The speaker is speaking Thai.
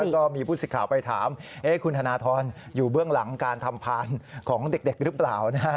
แล้วก็มีผู้สิทธิ์ข่าวไปถามคุณธนทรอยู่เบื้องหลังการทำพานของเด็กหรือเปล่า